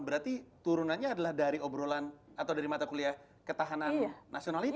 berarti turunannya adalah dari obrolan atau dari mata kuliah ketahanan nasional ini